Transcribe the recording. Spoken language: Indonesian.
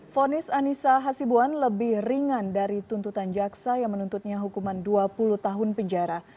fonis anissa hasibuan lebih ringan dari tuntutan jaksa yang menuntutnya hukuman dua puluh tahun penjara